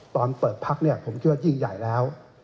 ตอนเปิดพักเนี่ยผมเชื่อว่ายิ่งใหญ่แล้ว